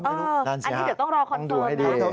อันนี้เดี๋ยวต้องรอคอนเฟิร์มนะ